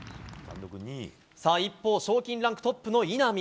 一方、賞金ランクトップの稲見。